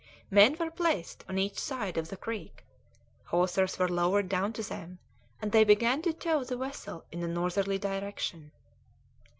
Men were placed on each side of the creek, hawsers were lowered down to them, and they began to tow the vessel in a northerly direction.